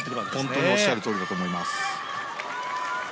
本当におっしゃるとおりだと思います。